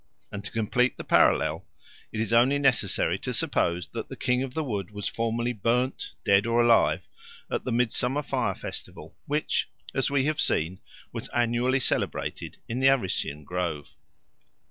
And to complete the parallel, it is only necessary to suppose that the King of the Wood was formerly burned, dead or alive, at the midsummer fire festival which, as we have seen, was annually celebrated in the Arician grove.